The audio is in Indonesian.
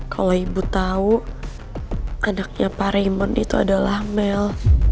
kalau ibu tahu anaknya pak raimon itu adalah mel